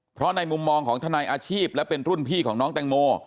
เพราะในมุมมองของทนายอาชีพและเป็นรุ่นพี่ของน้องแตงโม